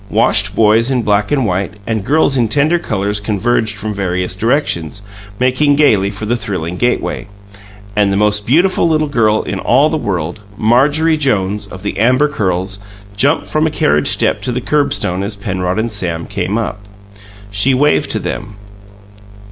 Washed boys in black and white, and girls in tender colours converged from various directions, making gayly for the thrilling gateway and the most beautiful little girl in all the world, Marjorie Jones, of the amber curls, jumped from a carriage step to the curbstone as Penrod and Sam came up. She waved to them.